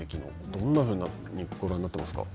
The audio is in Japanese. どんなふうにご覧になっています